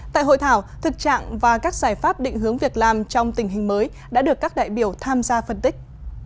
tại hội thảo thực trạng và các giải pháp định hướng việc làm trong tình hình mới đã được các đại biểu tham gia phân tích